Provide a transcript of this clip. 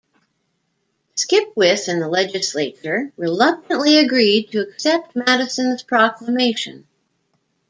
Skipwith and the legislature reluctantly agreed to accept Madison's proclamation.